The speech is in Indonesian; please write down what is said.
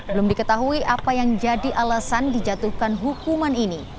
belum diketahui apa yang jadi alasan dijatuhkan hukuman ini